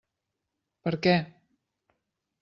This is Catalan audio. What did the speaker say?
Per què.